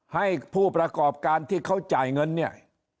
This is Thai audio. ให้ผู้ประกอบการที่เขาจ่ายเงินเนี่ย